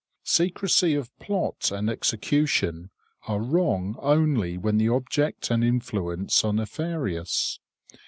Secrecy of plot and execution are wrong only when the object and influence are nefarious.